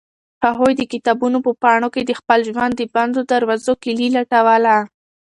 هغوی د کتابونو په پاڼو کې د خپل ژوند د بندو دروازو کیلي لټوله.